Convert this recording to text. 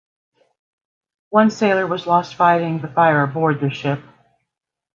One sailor was lost fighting the fire aboard the ship.